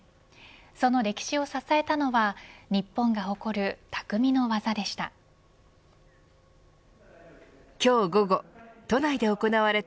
その歴史を支えたのは日本が誇る匠の技でした。